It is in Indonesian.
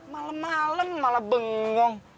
malem malem malah bengong